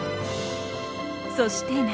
そして夏。